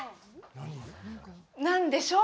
何でしょう？